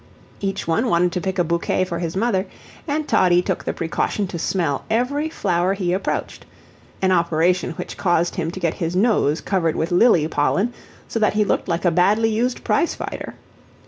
Each one wanted to pick a bouquet for his mother, and Toddie took the precaution to smell every flower he approached an operation which caused him to get his nose covered with lily pollen, so that he looked like a badly used prize fighter.